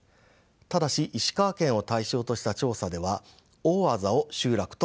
ただし石川県を対象とした調査では大字を集落と見なしています。